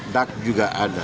dak juga ada